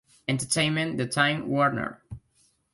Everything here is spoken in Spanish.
Entertainment de Time Warner.